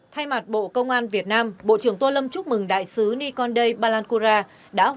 thay mặt bộ công an việt nam bộ trưởng tô lâm chúc mừng đại sứ nikonde balancura đã